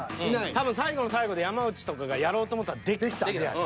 多分最後の最後で山内とかがやろうと思ったらできたはずやねん。